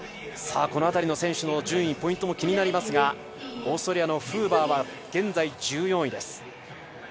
この辺りの選手の順位、ポイントも気になりますがオーストリアのフーバーは現在、１４位です。